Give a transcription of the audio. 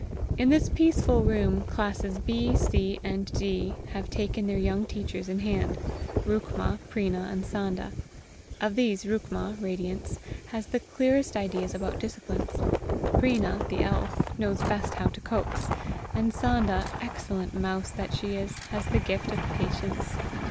In this peaceful room Classes B, C, and D have taken their young teachers in hand Rukma, Preena, and Sanda. Of these Rukma (Radiance) has the clearest ideas about discipline; Preena (the Elf) knows best how to coax; and Sanda, excellent Mouse that she is, has the gift of patience.